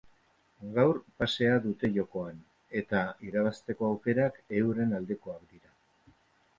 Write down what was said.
Gaur, pasea dute jokoan, eta irabazteko aukerak euren aldekoak dira.